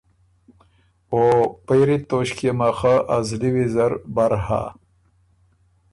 او پېری توݭکيې مه خه ا زلی ویزر بر هۀ۔